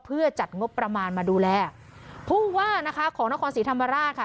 เพื่อจัดงบประมาณมาดูแลผู้ว่านะคะของนครศรีธรรมราชค่ะ